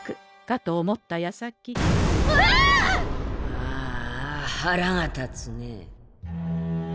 ああ腹が立つねえ。